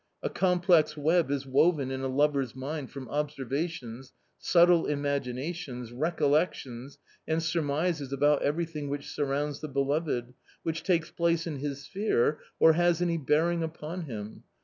A complex web is woven in a lover's mind from observations, subtle imaginations, recollections, and surmises about everything which surrounds the beloved, which takes place in his sphere, or has any bearing upon him.